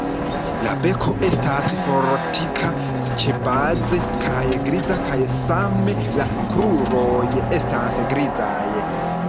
La beko estas fortika ĉebaze kaj griza kaj same la kruroj estas grizaj.